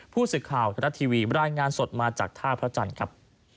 ผู้ศึกข่าวนาทาระทีวีบรรยายงานสดมาจากท่าพระจันทร์ครับ